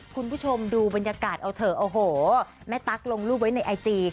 คุณผู้ชมดูบรรยากาศเอาเถอะโอ้โหแม่ตั๊กลงรูปไว้ในไอจี